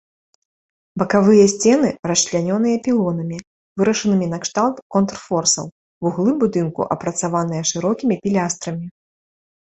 Бакавыя сцены расчлянёныя пілонамі, вырашанымі накшталт контрфорсаў, вуглы будынку апрацаваныя шырокімі пілястрамі.